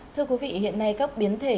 thưa quý vị hiện nay các biến thể